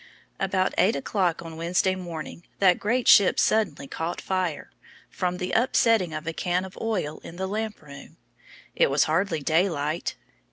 About eight o'clock on Wednesday morning that great ship suddenly caught fire, from the upsetting of a can of oil in the lamp room. It was hardly daylight.